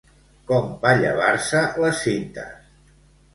Com va llevar-se les cintes?